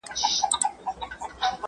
زه به سبا سړو ته خواړه ورکوم